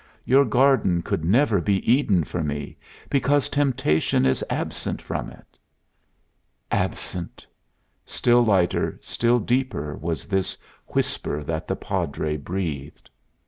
Your garden could never be Eden for me, because temptation is absent from it." "Absent!" Still lighter, still deeper, was this whisper that the Padre breathed.